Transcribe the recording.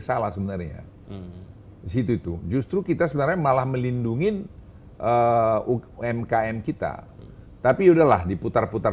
salah sebenarnya situ itu justru kita sebenarnya malah melindungi umkm kita tapi udahlah diputar putar